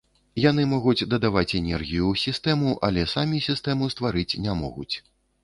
Яны могуць дадаваць энергію ў сістэму, але самі сістэму стварыць не могуць.